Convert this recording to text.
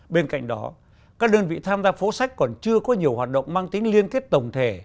bên cạnh đó các đơn vị tham gia phố sách còn chưa có nhiều hoạt động mang tính liên kết tổng thể